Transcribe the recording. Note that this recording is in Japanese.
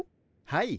はい。